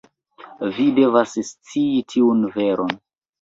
Vi devas scii tiun veron.